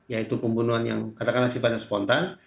yaitu pembunuhan yang katakanlah sifatnya spontan